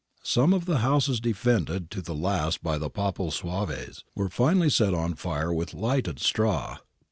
Some of the houses, defended to the last by the Papal Zouaves, were finally set on fire with lighted straw.